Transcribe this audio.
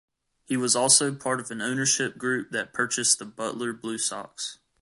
He also was part of an ownership group that purchased the Butler BlueSox.